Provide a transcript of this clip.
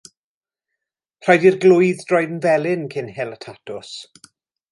Rhaid i'r glwydd droi'n felyn cyn hel y tatws.